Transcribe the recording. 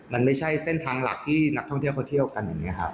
มันไม่ใช่เส้นทางหลักที่นักท่องเที่ยวเขาเที่ยวกันอย่างนี้ครับ